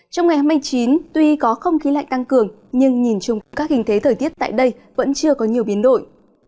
trong ngày hai mươi chín tuy có không khí lạnh tăng cường nhưng nhìn chung các hình thế thời tiết tại đây vẫn chưa có nhiều biến đổi